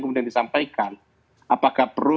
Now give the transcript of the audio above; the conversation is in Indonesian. kemudian disampaikan apakah perlu